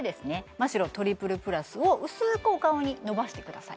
マ・シロトリプルプラスを薄くお顔にのばしてください